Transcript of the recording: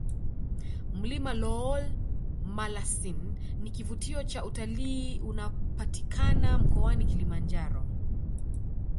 mlima lool malasin ni kivutio cha utalii unapatikana mkoani Kilimanjaro